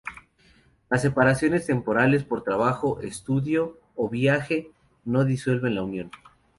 Las separaciones temporales por trabajo, estudio o viaje no disuelven la unión.